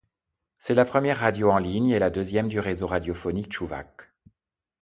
C'est la première radio en ligne et la deuxième du réseau radiophonique tchouvache.